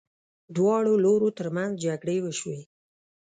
دواړو لورو ترمنځ جګړې وشوې.